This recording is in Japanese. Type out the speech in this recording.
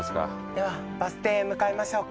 ではバス停へ向かいましょうか。